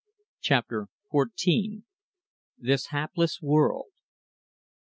CHAPTER FOURTEEN. THIS HAPLESS WORLD.